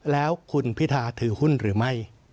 แล้วคุณพิธาถือหุ้นหรือไม่